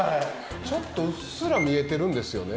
ちょっとうっすら見えてるんですよね。